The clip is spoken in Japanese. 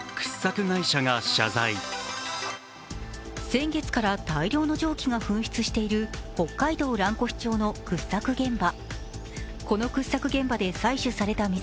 先月から大量の蒸気が噴出している北海道蘭越町の掘削現場。